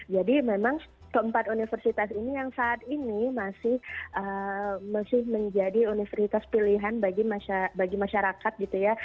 jadi memang empat universitas ini yang saat ini masih menjadi universitas pilihan bagi masyarakat gitu ya